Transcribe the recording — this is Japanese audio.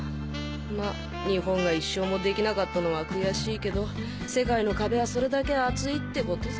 まあ日本が１勝もできなかったのはくやしいけど世界の壁はそれだけ厚いってことさ。